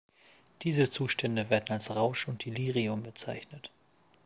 Diese Zustände werden als Rausch und Delirium bezeichnet.